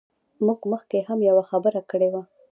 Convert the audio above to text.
موږ مخکې هم یوه خبره کړې وه.